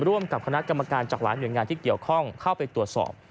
ร่วมกับคณะกรรมการจากหลายหน่วยงานที่เกี่ยวข้องเข้าไปตรวจสอบ